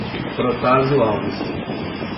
Protásio Alves